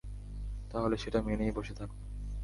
তাহলে সেটা মেনেই বসে থাকুন।